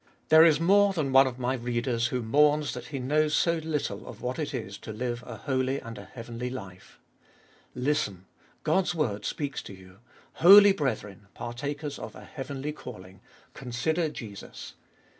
There is more than one of my readers who mourns that he knows so little what it is to live a holy and a heavenly life. 106 abe Dolfest of Bll Listen, God's word speaks to you — Holy brethren, partakers of a heavenly calling ! consider Jesus